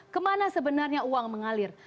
kemana sebenarnya uang mengalir